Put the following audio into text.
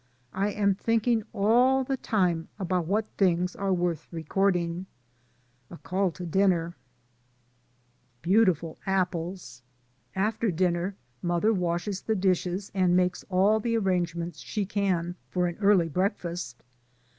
I am thinking all the time about what things are worth re cording. (A call to dinner.) 22 DAYS ON THE ROAD. BEAUTIFUL APPLES. After dinner mother washes the dishes and makes all the arrangements she can for an early breakfast.